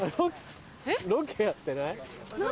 ロケやってない？えっ？